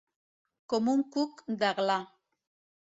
Com un cuc d'aglà.